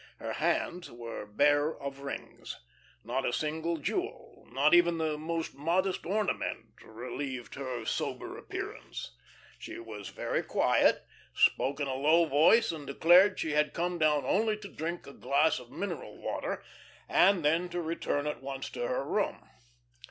Her hands were bare of rings. Not a single jewel, not even the most modest ornament relieved her sober appearance. She was very quiet, spoke in a low voice and declared she had come down only to drink a glass of mineral water and then to return at once to her room.